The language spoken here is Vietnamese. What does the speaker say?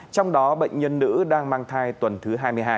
trong đó bệnh nhân nữ đang mang thai tuần thứ hai mươi hai